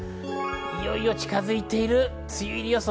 いよいよ近づいている梅雨入り予想。